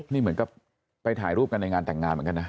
นี่เหมือนกับไปถ่ายรูปกันในงานแต่งงานเหมือนกันนะ